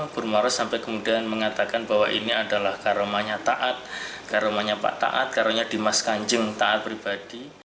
bermaros sampai kemudian mengatakan bahwa ini adalah karomanya taat karomanya pak taat karomanya dimas kanjeng taat pribadi